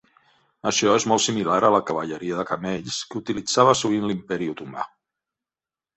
Això és molt similar a la cavalleria de camells que utilitzava sovint l'Imperi Otomà.